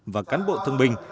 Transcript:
và cán bộ thương binh